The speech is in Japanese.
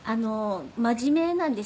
「真面目なんですね」